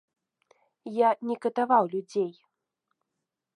Я не катаваў людзей.